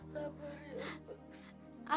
sabar ya pak